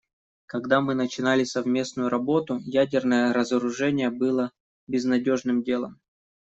Когда мы начинали совместную работу, ядерное разоружение было безнадежным делом.